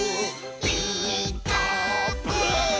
「ピーカーブ！」